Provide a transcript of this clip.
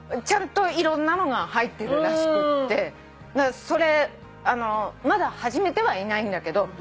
ちゃんといろんなのが入ってるらしくってそれまだ始めてはいないんだけど。